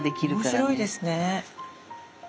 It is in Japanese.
面白いですね。